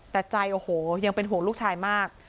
แต่ใจโอ้โหยังเป็นห่วงลูกชายมาก